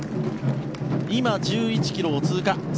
今、１１ｋｍを通過。